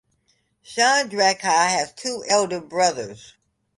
Chandrika has two elder brothers.